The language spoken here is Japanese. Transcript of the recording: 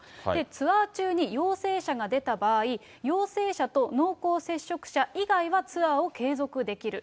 ツアー中に陽性者が出た場合、陽性者と濃厚接触者以外はツアーを継続できる。